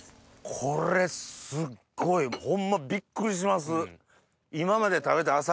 これすっごい！ホンマびっくりします。